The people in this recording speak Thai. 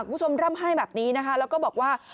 คุณผู้ชมร่ำไห้แบบนี้นะคะแล้วก็บอกว่า